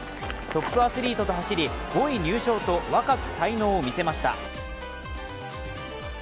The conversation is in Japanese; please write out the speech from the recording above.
トップアスリートと走り、５位入賞と若き才能を見せました。